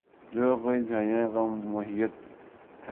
جو کئی دھائیوں کو محیط ہے۔